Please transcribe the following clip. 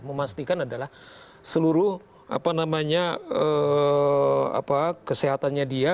memastikan adalah seluruh kesehatannya dia